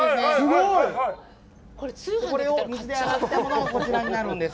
これを水で洗ったものがこちらになるんです。